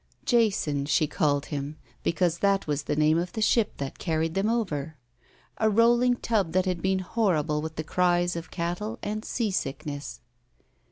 Jason, she called him, because that was the name of the diip that carried them over. A rolling tub 266 ROULETTE that had been horrible with the cries of cattle and seasickness.